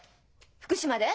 福島で？